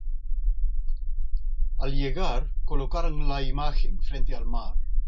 Al llegar colocaron la imagen frente al mar.